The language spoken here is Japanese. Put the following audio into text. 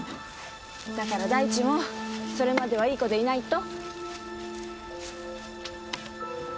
だから大地もそれまではいい子でいないと。